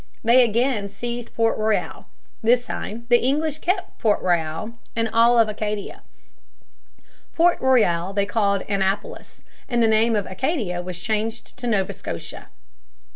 They again seized Port Royal. This time the English kept Port Royal and all Acadia. Port Royal they called Annapolis, and the name of Acadia was changed to Nova Scotia.